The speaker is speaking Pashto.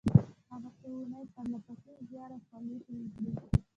هغه څو اونۍ پرله پسې زيار او خولې تويې کړې.